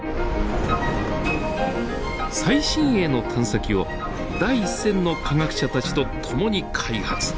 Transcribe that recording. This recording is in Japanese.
最新鋭の探査機を第一線の科学者たちと共に開発。